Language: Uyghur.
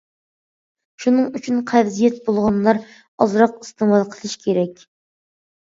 شۇنىڭ ئۈچۈن قەۋزىيەت بولغانلار ئازراق ئىستېمال قىلىش كېرەك.